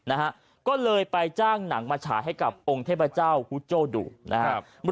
นะฮะก็เลยไปจ้างหนังมาฉายให้กับองค์เทพเจ้าฮูโจ้ดุนะครับ